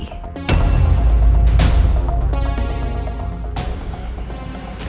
jadi dia akan menanggung andin